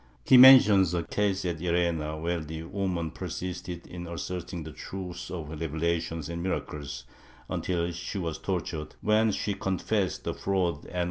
He mentions a case at Llerena, where the woman persisted in asserting the truth of her revelations and miracles, until she was tortured, when she confessed the fraud and was con 1 MSS.